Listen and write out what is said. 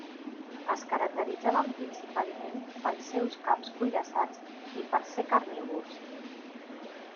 Es caracteritzaven principalment pels seus caps cuirassats i per ser carnívors.